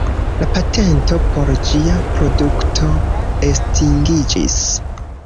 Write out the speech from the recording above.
La patento por ĝia produkto estingiĝis.